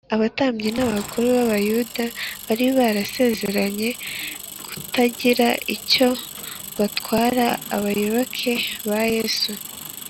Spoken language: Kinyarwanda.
abatambyi n’abakuru b’abayuda bari barasezeranye kutagira icyo batwara abayoboke ba yesu